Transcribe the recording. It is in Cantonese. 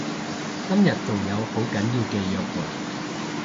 今日仲有好緊要嘅約會